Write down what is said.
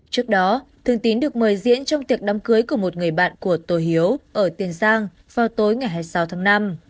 trước đó thường tín được mời diễn trong tiệc đám cưới của một người bạn của tổ hiếu ở tiền giang vào tối ngày hai mươi sáu tháng năm